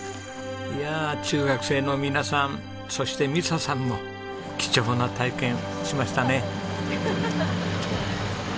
いや中学生の皆さんそして美砂さんも貴重な体験しましたね。